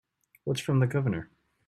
What's from the Governor?